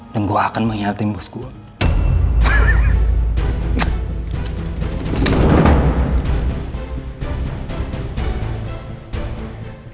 dan gue akan mengkhianatin bos gue